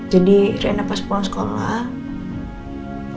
jadi rena pas pulang sekolah